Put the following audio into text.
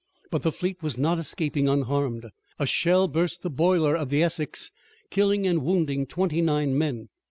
But the fleet was not escaping unharmed. A shell burst the boiler of the Essex, killing and wounding twenty nine men.